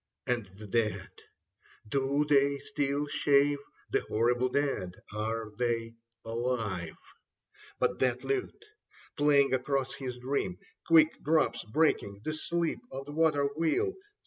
. And the dead, do they still shave ^ The horrible dead, are they alive ? But that lute, playing across his dream ... Quick drops breaking the sleep of the water wheel.